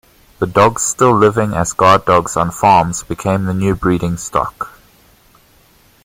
The dogs still living as guard dogs on farms became the new breeding stock.